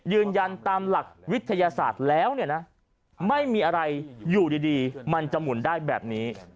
ยืนยันตามหลักวิทยาศาสตร์แล้วเนี่ยนะไม่มีอะไรอยู่ดีมันจะหมุนได้แบบนี้